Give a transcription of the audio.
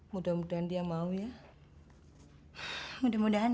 mudah mudahan dia akan berhasil mencari kakaknya